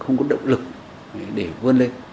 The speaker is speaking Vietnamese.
không có động lực để vươn lên